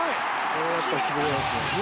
これはやっぱりしびれますね。